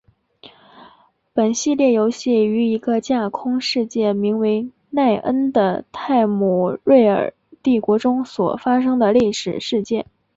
本系列游戏于一个架空世界名叫奈恩的泰姆瑞尔帝国中所发生的历史事件。